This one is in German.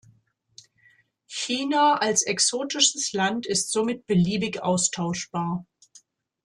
China als 'exotisches' Land ist somit beliebig austauschbar.